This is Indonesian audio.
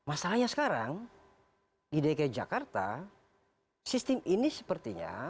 jadi masalahnya sekarang di dki jakarta sistem e budgeting maka semakin banyak